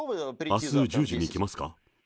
あす１０時に来ますか？